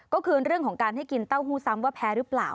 ก็คือเรื่องของการให้กินเต้าหู้ซ้ำว่าแพ้หรือเปล่า